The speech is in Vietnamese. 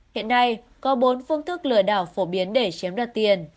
hiện nay có bốn phương thức lừa đảo phổ biến để chiếm đoạt tiền